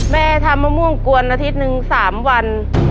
แม่ทำมะม่วงกวนอาทิตย์หนึ่ง๓วัน